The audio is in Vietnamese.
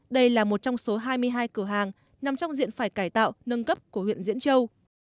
đây là một trong số hai mươi hai cửa hàng nằm trong diện phải cải tạo nâng cấp của huyện diễn châu